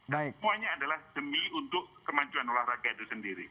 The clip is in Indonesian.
semuanya adalah demi untuk kemajuan olahraga itu sendiri